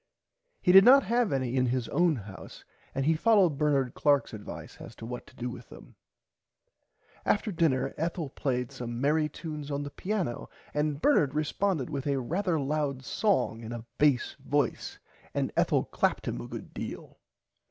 He did not have any in his own house and he followed Bernard Clarks advice as to what to do with them. After dinner Ethel played some [Pg 38] merry tunes on the piano and Bernard responded with a rarther loud song in a base voice and Ethel clapped him a good deal.